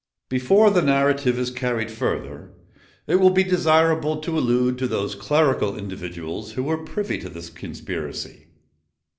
Before the narrative is carried further, it will be desirable to allude to those clerical individuals who were privy to this conspiracy.